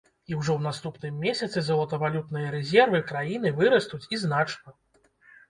І ўжо ў наступным месяцы золатавалютныя рэзервы краіны вырастуць і значна.